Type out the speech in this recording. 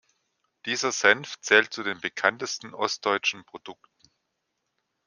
Dieser Senf zählt zu den bekanntesten ostdeutschen Produkten.